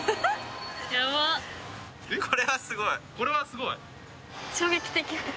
これはすごい。